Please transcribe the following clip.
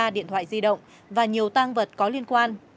hai mươi ba điện thoại di động và nhiều tang vật có liên quan